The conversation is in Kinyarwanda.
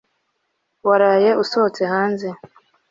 waraye usohotse hanze